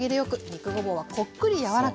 肉ごぼうはこっくり柔らか。